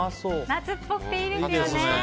夏っぽくていいですよね。